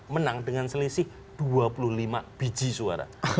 menang dengan selisih dua puluh lima biji suara